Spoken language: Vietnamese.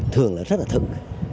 thường là rất là thật